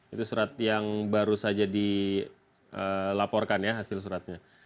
itu surat yang baru saja dilaporkan ya hasil suratnya